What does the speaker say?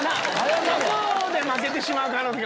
そこで負けてしまう可能性が。